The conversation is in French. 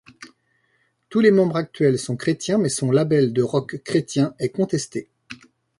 Tous les membres actuels sont chrétiens, mais son label de rock chrétien est contesté.